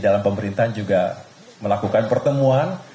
dalam pemerintahan juga melakukan pertemuan